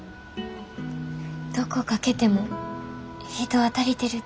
どこかけても人は足りてるて。